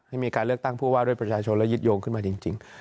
ให้มีการเลือกตั้งผู้ว่าด้วยประชาชนและยึดโยงขึ้นมาจริง